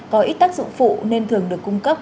có ít tác dụng phụ nên thường được cung cấp